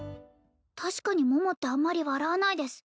確かに桃ってあんまり笑わないです